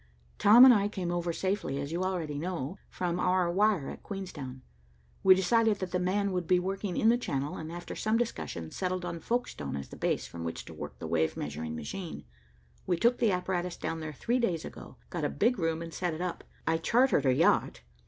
"Tom and I came over safely, as you already know, from our wire at Queenstown. We decided that 'the man' would be working in the Channel and, after some discussion, settled on Folkestone as the base from which to work the wave measuring machine. We took the apparatus down there three days ago, got a big room and set it up. I chartered a yacht."